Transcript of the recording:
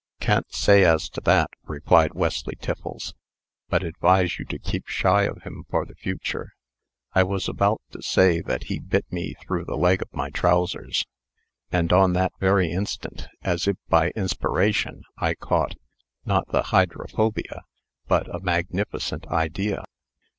"Can't say as to that," replied Wesley Tiffles, "but advise you to keep shy of him for the future, I was about to say that he bit me through the leg of my trowsers. And on that very instant, as if by inspiration, I caught not the hydrophobia, but a magnificent idea.